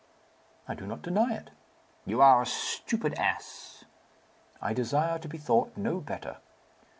"I do not deny it." "You are a stupid ass." "I desire to be thought no better."